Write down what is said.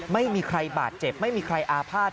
ไม่มีใครบาดเจ็บไม่มีใครอาภาษณ์